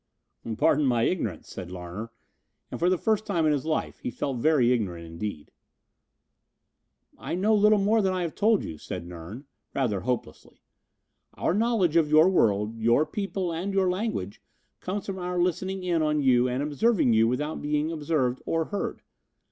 "Pardon my ignorance," said Larner, and for the first time in his life he felt very ignorant indeed. "I know little more than I have told you," said Nern, rather hopelessly. "Our knowledge of your world, your people and your language comes from our listening in on you and observing you without being observed or heard.